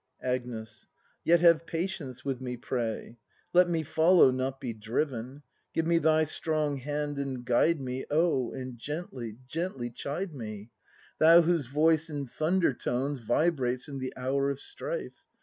Agnes. Yet have patience with me, pray. Let me follow, not be driven. Give me thy strong hand and guide me ACT IV] BRAND 161 Oh, and gently, gently chide me! Thou whose voice in thunder tones Vibrates in the hour of strife.